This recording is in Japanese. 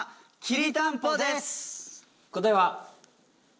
答えは。